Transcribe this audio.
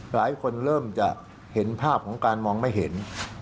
หลายคนเริ่มจะเห็นภาพของการมองไม่เห็น